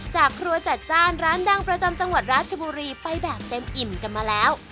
ครัวจัดจ้านร้านดังประจำจังหวัดราชบุรีไปแบบเต็มอิ่มกันมาแล้ว